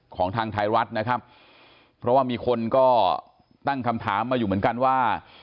ของทางไทยรัฐนะครับเพราะว่ามีคนก็ตั้งคำถามมาอยู่เหมือนกันว่า